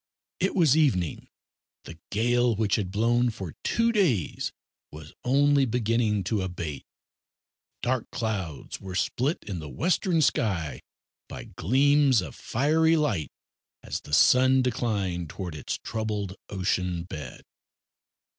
It was evening. The gale, which had blown for two days was only beginning to abate. Dark clouds were split in the western sky by gleams of fiery light as the sun declined towards its troubled ocean bed.